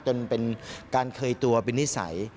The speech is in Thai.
จนเป็นการเคยตัวเป็นนิสัย